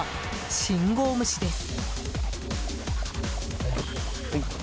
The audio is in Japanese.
信号無視です。